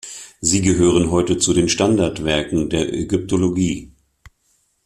Sie gehören heute zu den Standardwerken der Ägyptologie.